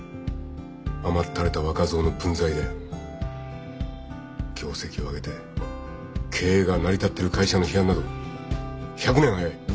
甘ったれた若造の分際で業績を挙げて経営が成り立ってる会社の批判など１００年早い。